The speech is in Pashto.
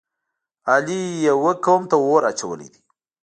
علی یوه قوم ته اور اچولی دی.